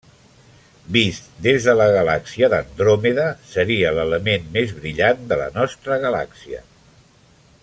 Vist des de la galàxia d'Andròmeda, seria l'element més brillant de la nostra galàxia.